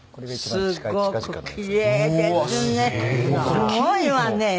すごいわね。